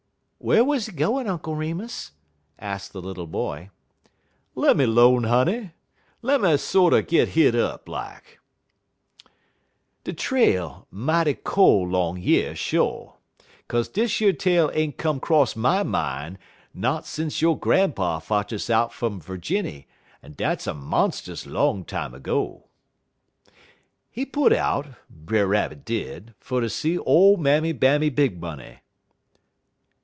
"Where was he going, Uncle Remus?" asked the little boy. "Lemme 'lone, honey! Lemme sorter git hit up, like. De trail mighty cole 'long yer, sho'; 'kaze dish yer tale ain't come 'cross my min' not sence yo' gran'pa fotch us all out er Ferginny, en dat's a monst'us long time ago. "He put out, Brer Rabbit did, fer ter see ole Mammy Bammy Big Money."